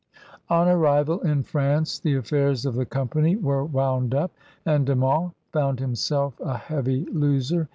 On arrival in France the affairs of the company were wound up, and De Monts found himself a heavy loiser.